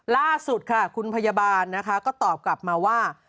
ล่าสุดค่ะคุณพยาบาลนะคะก็ตอบกลับมาว่า